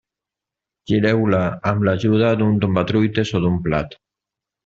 Gireu-la amb l'ajuda d'un tombatruites o d'un plat.